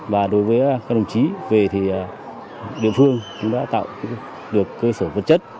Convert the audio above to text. và đối với các đồng chí về thì địa phương cũng đã tạo được cơ sở vật chất